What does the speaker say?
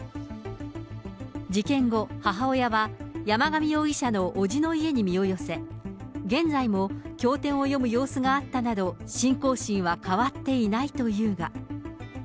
事件後、母親は山上容疑者の伯父の家に身を寄せ、現在も教典を読む様子があったなど、信仰心は変わっていないというが。